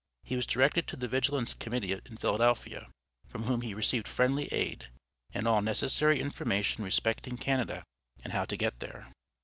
He was directed to the Vigilance Committee in Philadelphia, from whom he received friendly aid, and all necessary information respecting Canada and how to get there.